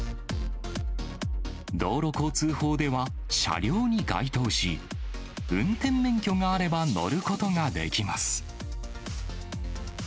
道路交通法では車両に該当し、運転免許があれば乗ることができます。